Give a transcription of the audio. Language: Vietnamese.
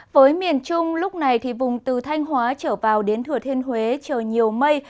với miền trung lúc này vùng từ thanh hóa trở vào đến thừa thiên huế trời nhiều mây